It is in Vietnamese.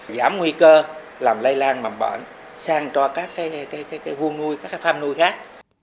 giảm nguy cơ làm lây lan mầm bệnh sang cho các cái vua nuôi các cái pham nuôi khác